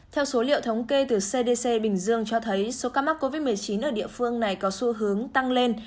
theo số liệu thống kê từ cdc bình dương cho thấy số ca mắc covid một mươi chín ở địa phương này có xu hướng tăng lên